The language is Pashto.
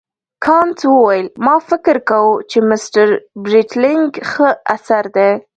کانت وویل ما فکر کاوه چې مسټر برېټلنیګ ښه اثر دی.